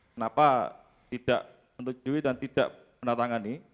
kenapa tidak menyetujui dan tidak menandatangani